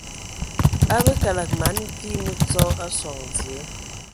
A bə kəlǝg mana vis mǝtsɔ a sɔŋ dzie.